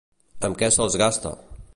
Amb què se'ls gasta?